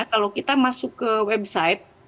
kalau kita masuk ke website